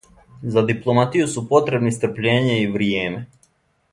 За дипломатију су потребни стрпљење и вријеме.